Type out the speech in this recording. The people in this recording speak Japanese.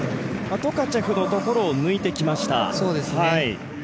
トカチェフのところを抜いてきました。